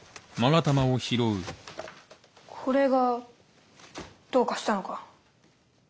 これがどうかしたのか？